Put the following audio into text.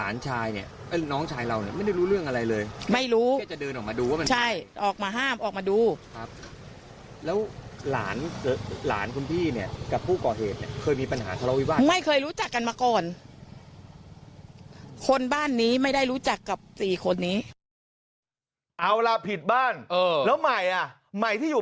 เราอ่ะคือต้องการให้ตำรวจมาให้เร็วที่สุด